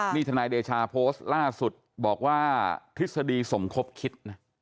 นี่ทนายเดชาโพสต์ล่าสุดบอกว่าทฤษฎีสมคบคิดนะ